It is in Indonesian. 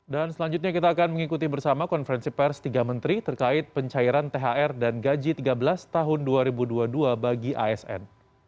dan selanjutnya kita akan mengikuti bersama konferensi pers tiga menteri terkait pencairan thr dan gaji tiga belas tahun dua ribu dua puluh dua bagi asn